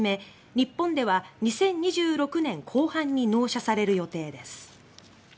日本では２０２６年後半に納車される予定です。